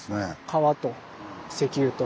川と石油と。